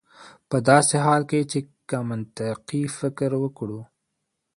په داسې حال کې چې که منطقي فکر وکړو